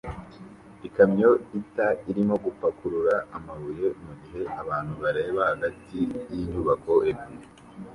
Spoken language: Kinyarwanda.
Ikamyo ita irimo gupakurura amabuye mugihe abantu bareba hagati yinyubako ebyiri